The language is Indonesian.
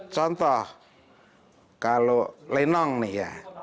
contoh kalau lenong nih ya